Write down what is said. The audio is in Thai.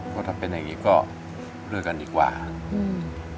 ก็ถ้าเป็นอย่างนี้ก็เลิกกันดีกว่าค่ะ